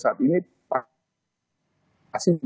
pak jokowi juga menerima kompensasi tertentu